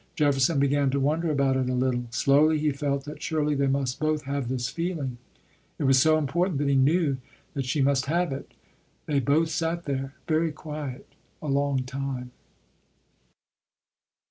Jefferson began to wonder about it a little. Slowly he felt that surely they must both have this feeling. It was so important that he knew that she must have it. They both sat there, very quiet, a long time.